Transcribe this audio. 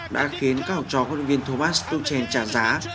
đã khiến các học trò quân viên thomas tuchel trả giá